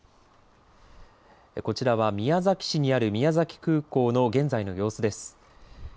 こちらは宮崎市にある宮崎空港の現在の様子です。